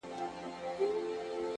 ورته وگورې په مينه.!